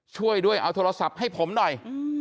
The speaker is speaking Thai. ช่วยด้วยเอาโทรศัพท์ให้ผมหน่อย